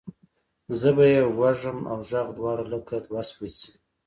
زه به یې وږم اوږغ دواړه لکه دوه سپیڅلي،